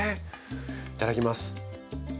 いただきます。